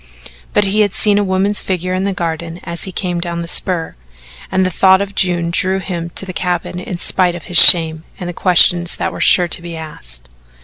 But he had seen a woman's figure in the garden as he came down the spur, and the thought of June drew him to the cabin in spite of his shame and the questions that were sure to be asked.